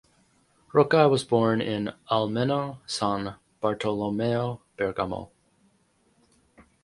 Rocca was born in Almenno San Bartolomeo, Bergamo.